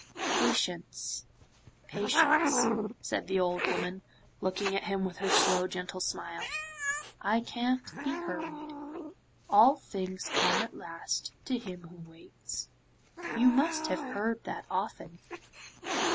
'Patience, patience,' said the old woman looking at him with her slow gentle smile, 'I can't be hurried. "All things come at last to him who waits;" you must have heard that often.